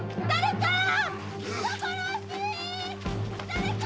・誰か！